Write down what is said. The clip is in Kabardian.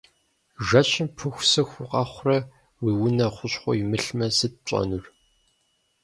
Жэщым пыхусыху укъэхъурэ уи унэ хущхъуэ имылъмэ, сыт пщӏэнур?